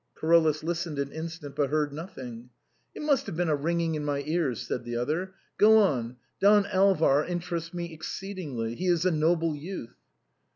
Carolus listened an instant, but heard nothing. " It must have been a ringing in my ears," said the other. " Go on ; Don Alvar interests me exceedingly ; he is a noble youth."